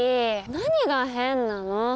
何が変なの？